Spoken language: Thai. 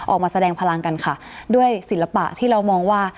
ออกมาแสดงพลังกันค่ะด้วยศิลปะที่เรามองว่า